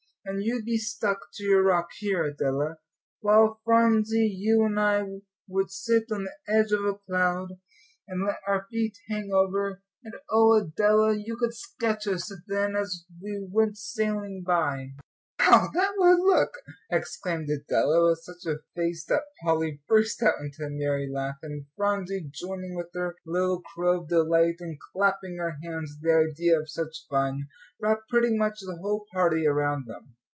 "And you'd be stuck to your rock here, Adela; while, Phronsie, you and I would sit on the edge of a cloud, and let our feet hang over; and oh, Adela, you could sketch us then as we went sailing by." "How that would look!" exclaimed Adela, with such a face that Polly burst out into a merry laugh, and Phronsie, joining with her little crow of delight and clapping her hands at the idea of such fun, brought pretty much the whole party around them.